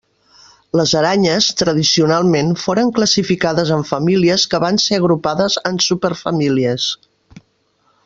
Les aranyes, tradicionalment, foren classificades en famílies que van ser agrupades en superfamílies.